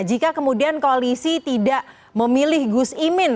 jika kemudian koalisi tidak memilih gus imin